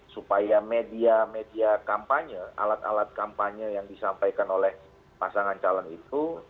supaya media media kampanye alat alat kampanye yang disampaikan oleh pasangan calon itu